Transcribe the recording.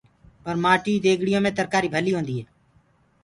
پر مآٽيو ڪي ديگڙيو مي ترڪآري ڀلي هوندي هي۔